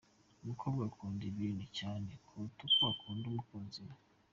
Umukobwa ukunda ibintu cyane kuruta uko akunda umukunzi we.